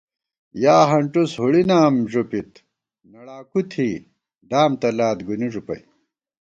یا ہنٹُس ہُڑی نام ݫُپِت نڑاکُو تھی، دام تلات گُنی ݫُپَئ